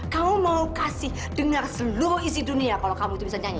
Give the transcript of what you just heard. kamu mau kasih dengar seluruh isi dunia kalau kamu itu bisa nyanyi